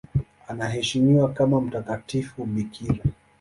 Anaheshimiwa kama mtakatifu bikira.